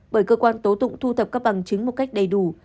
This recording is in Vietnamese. bởi cơ quan tố tụng thu thập các bằng chứng một cách đầy đủ